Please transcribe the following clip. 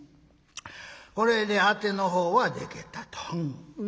これでアテのほうはでけたと。